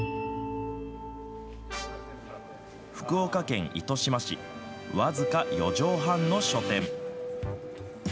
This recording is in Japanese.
福岡県糸島市僅か４畳半の書店。